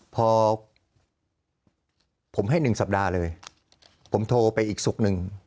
พอผมให้๑สัปดาห์เลยผมโทรไปอีกศุกร์หนึ่ง